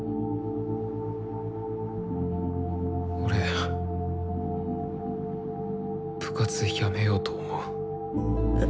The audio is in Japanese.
俺部活辞めようと思う。